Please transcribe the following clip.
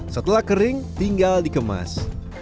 setelah kering tinggal dikemas